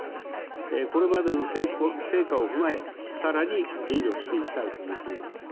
これまでの成果を踏まえ、さらに尽力していきたいと思っています。